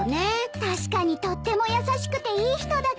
確かにとっても優しくていい人だけど。